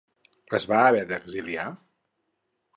Es va haver d'exiliar?